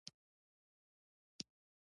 د جوار ګل د پښتورګو لپاره وکاروئ